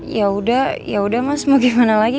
yaudah yaudah mas mau gimana lagi